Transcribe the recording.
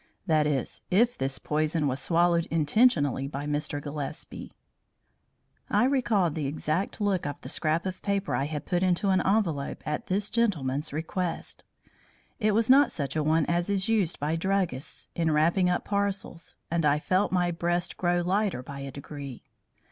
That is, if this poison was swallowed intentionally by Mr. Gillespie." I recalled the exact look of the scrap of paper I had put into an envelope at this gentleman's request. It was not such a one as is used by druggists in wrapping up parcels, and I felt my breast grow lighter by a degree.